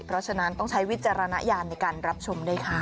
เพราะฉะนั้นต้องใช้วิจารณญาณในการรับชมด้วยค่ะ